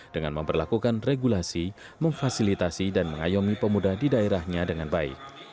dengan memperlakukan regulasi memfasilitasi dan mengayomi pemuda di daerahnya dengan baik